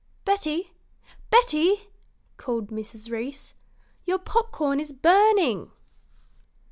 "Betty, Betty," called Mrs. Reece, "your popcorn is burning!"